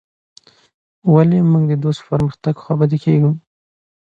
ولي موږ د دوست په پرمختګ خوابدي کيږو.